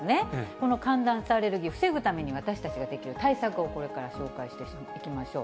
この寒暖差アレルギー、防ぐために私たちができる対策をこれから紹介していきましょう。